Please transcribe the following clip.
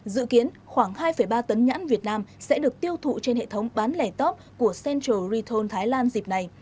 dự kiến khoảng hai ba tấn nhãn việt nam sẽ được tiêu thụ trên hệ thống bán lẻ top của central retam thái lan dịp này